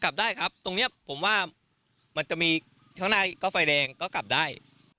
กลับได้ครับตรงนี้ผมว่ามันจะมีข้างหน้าก็ไฟแดงก็กลับได้